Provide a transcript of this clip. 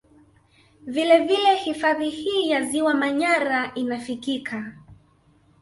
Vile vile hifadhi hii ya ziwa Manyara inafikika